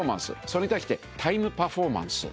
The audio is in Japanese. それに対してタイムパフォーマンス。